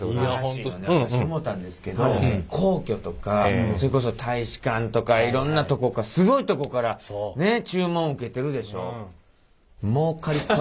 私思うたんですけど皇居とかそれこそ大使館とかいろんなすごいとこからね注文受けてるでしょう？